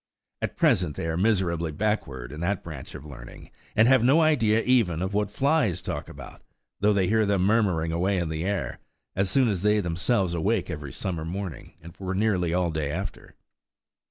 At present they are miserably backward in that branch of learning, and have no idea even of what flies talk about, though they hear them murmuring away in the air, as soon as they themselves awake every summer morning, and for nearly all day after.